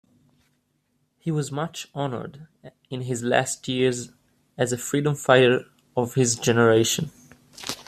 He was much honoured in his last years as a freedom-fighter of his generation.